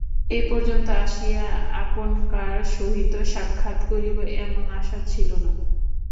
এ পর্যন্ত আসিয়া আপনকার সহিত সাক্ষাৎ করিব এমন আশা ছিল না।